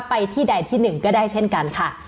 ไปที่ใดที่หนึ่งก็ได้เช่นกันค่ะ